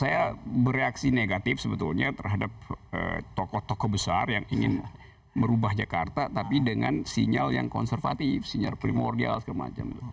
saya bereaksi negatif sebetulnya terhadap tokoh tokoh besar yang ingin merubah jakarta tapi dengan sinyal yang konservatif sinyal primordial segala macam